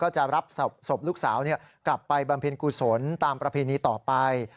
ก็จะรับศพลูกสาวเนี่ยกลับไปบังพินกุศลตามปราพินีต่อไป